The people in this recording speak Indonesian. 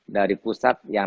dari pusat yang